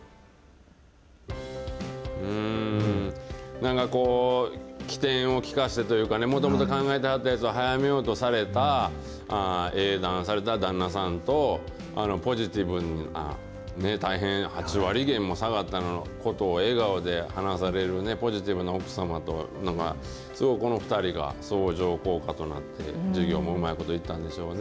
なんかこう、機転を利かしてというか、もともと考えてはったやつを早めようとされた、英断された旦那さんと、ポジティブな、大変８割減も下がったのを笑顔で話されるポジティブな奥様と、すごいこの２人が相乗効果となって、事業もうまいこといったんでしょうね。